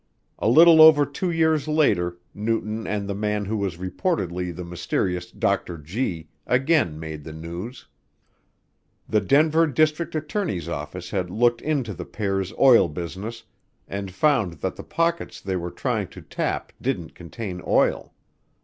A little over two years later Newton and the man who was reportedly the mysterious "Dr. Gee" again made the news. The Denver district attorney's office had looked into the pair's oil business and found that the pockets they were trying to tap didn't contain oil.